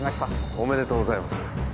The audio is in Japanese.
おめでとうございます。